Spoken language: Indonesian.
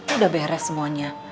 udah beres semuanya